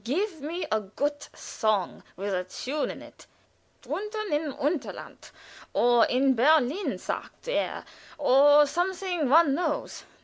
Give me a good song with a tune in it 'Drunten im Unterland,' or 'In Berlin, sagt er,' or something one knows.